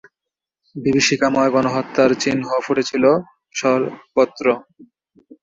বিভীষিকাময় গণহত্যার চিহ্ন ফুটে ছিল সর্বত্র।